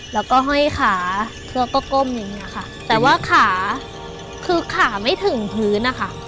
แล้วก็ห้อยขาเครื่องก็ก้มอย่างเงี้ยค่ะแต่ว่าขาคือขาไม่ถึงพื้นนะคะ